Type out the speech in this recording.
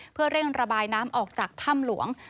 เพื่อเร่งระบายน้ำออกจากถ้ำหลวง